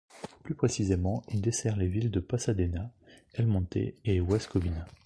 Plus précisément, il dessert les villes de Pasadena, El Monte et West Covina.